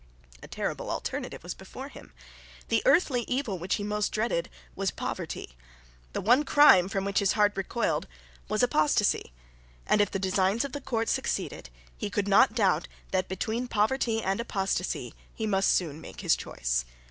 A terrible alternative was before him. The earthly evil which he most dreaded was poverty. The one crime from which his heart recoiled was apostasy. And, if the designs of the court succeeded, he could not doubt that between poverty and apostasy he must soon make his choice.